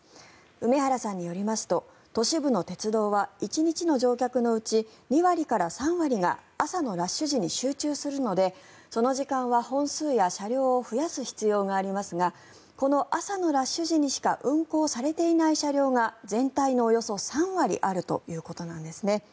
梅原さんによりますと都市部の鉄道は１日の乗客のうち２割から３割が朝のラッシュ時に集中するのでその時間は本数や車両を増やす必要がありますがこの朝のラッシュ時にしか運行されていない車両が全体のおよそ３割あるということなんですね。